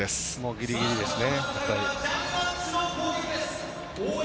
ギリギリですね。